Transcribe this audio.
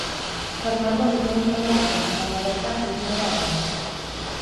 Fernando gizon sendoa zen baina baita sentibera ere.